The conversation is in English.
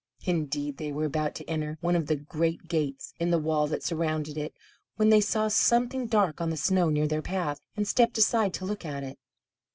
Indeed they were about to enter one of the great gates in the wall that surrounded it, when they saw something dark on the snow near their path, and stepped aside to look at it.